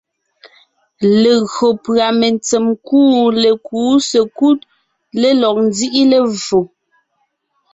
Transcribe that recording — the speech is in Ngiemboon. Legÿo pʉ́a mentsèm kuʼu lékúu sekúd lɔg nzíʼi levfò,